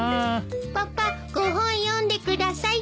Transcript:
パパご本読んでください。